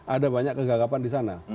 ada banyak kegagapan disana